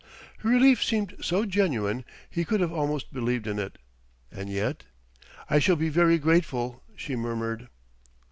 Her relief seemed so genuine, he could have almost believed in it. And yet ! "I shall be very grateful," she murmured.